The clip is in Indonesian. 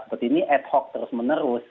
seperti ini ad hoc terus menerus